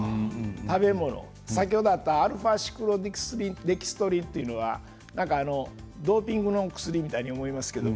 食べ物、先ほどあったα−シクロデキストリンというのはドーピングの薬みたいに思いますけれど